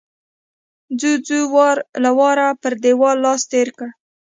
جُوجُو وار له واره پر دېوال لاس تېر کړ